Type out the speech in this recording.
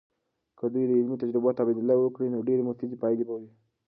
که دوی د علمي تجربو تبادله وکړي، نو ډیرې مفیدې پایلې به وي.